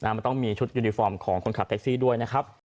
มันต้องมีชุดยูนิฟอร์มของคนขับแท็กซี่ด้วยนะครับ